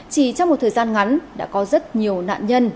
chỉ trong một thời gian ngắn đã có rất nhiều nạn nhân